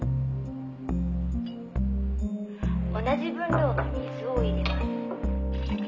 「同じ分量の水を入れます」